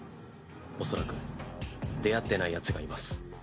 おそらく出会ってないヤツがいます。